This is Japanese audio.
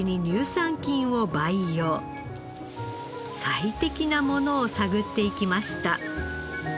最適なものを探っていきました。